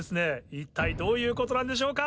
一体どういうことなんでしょうか？